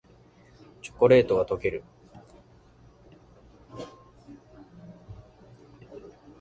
チョコレートがとける